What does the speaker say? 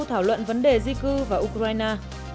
thảo luận vấn đề di cư vào ukraine